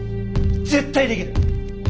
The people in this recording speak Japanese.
絶対できる！